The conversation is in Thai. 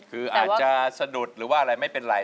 คืออาจจะสะดุดหรือว่าอะไรไม่เป็นไร